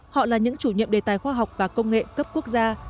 họ là những chủ nhiệm đề tài khoa học và công nghệ cấp quốc gia